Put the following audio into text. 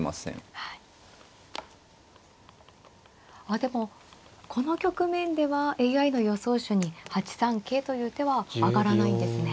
あでもこの局面ではＡＩの予想手に８三桂という手は挙がらないんですね。